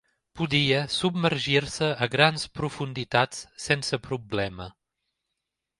Podia submergir-se a grans profunditats sense problema.